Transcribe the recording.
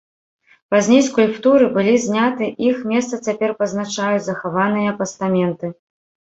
Пазней скульптуры былі зняты, іх месца цяпер пазначаюць захаваныя пастаменты.